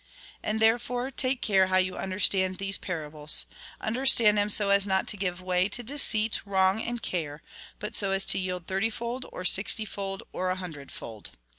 And, therefore, take care how you understand these parables. Understand them so as not to give way to deceit, wrong, and care ; but so as to yield thirtyfold, or sixtyfold, or a hundredfold.